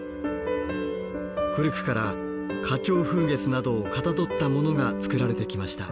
古くから花鳥風月などをかたどったものが作られてきました。